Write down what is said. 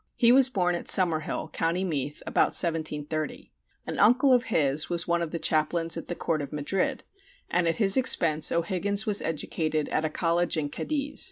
He was born at Summerhill, Co. Meath, about 1730. An uncle of his was one of the chaplains at the court of Madrid, and at his expense O'Higgins was educated at a college in Cadiz.